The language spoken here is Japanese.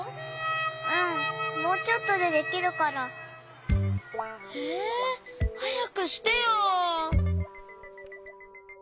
うんもうちょっとでできるから。えはやくしてよ！